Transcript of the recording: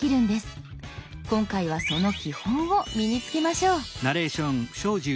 今回はその基本を身に付けましょう。